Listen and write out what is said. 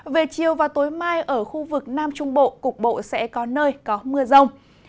về chiều và tối mai ở khu vực nam trung bộ cục bộ sẽ có nơi có mưa rông